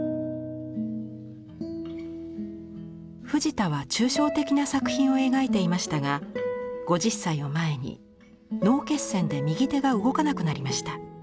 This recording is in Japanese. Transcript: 藤田は抽象的な作品を描いていましたが５０歳を前に脳血栓で右手が動かなくなりました。